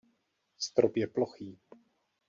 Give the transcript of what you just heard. Strop je plochý.